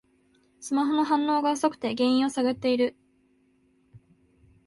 スマホの反応が遅くて原因を探ってる